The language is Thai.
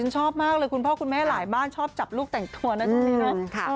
ชอบมากเลยคุณพ่อคุณแม่หลายบ้านชอบจับลูกแต่งตัวนะช่วงนี้เนอะ